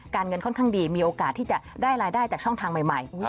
เงินค่อนข้างดีมีโอกาสที่จะได้รายได้จากช่องทางใหม่